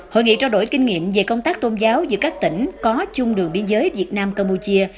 hội nghị trao đổi kinh nghiệm về công tác tôn giáo giữa các tỉnh có chung đường biên giới việt nam campuchia